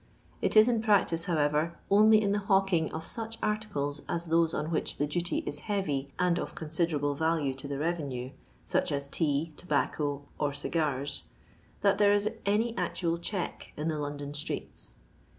It is in practice, however, only in the hawking of such articles as those on which the duty is heavy and of considerable value to the revenue (such as tea, tobacco, or cigars), that there is any actual check in the London streets.